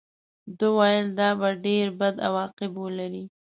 ده ویل دا به ډېر بد عواقب ولري.